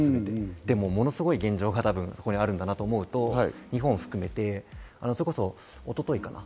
ものすごい現状がそこにあるんだなと思うと日本も含めて、それこそ一昨日かな？